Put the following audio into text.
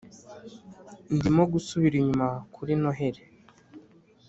ndimo gusubira inyuma kuri noheri,